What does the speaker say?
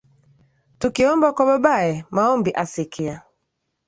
Tukiomba kwa babaye, Maombi asikia